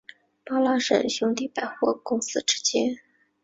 巴拉什兄弟百货公司之间。